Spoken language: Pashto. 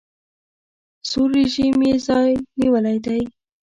سور رژیم یې ځای نیولی دی.